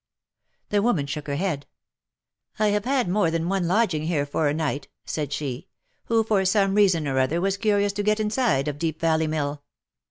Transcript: The woman shook her head ." I have had more than one lodging here for a night," said she, " who for some reason or other was curious to get inside of Deep Valley Mill.